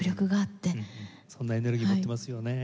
そんなエネルギー持ってますよね。